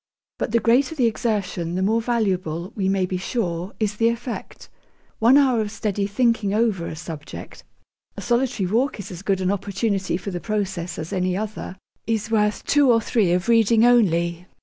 But the greater the exertion the more valuable, we may be sure, is the effect. One hour of steady thinking over a subject (a solitary walk is as good an opportunity for the process as any other) is worth two or three of reading only.